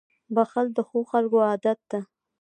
• بښل د ښو خلکو عادت دی.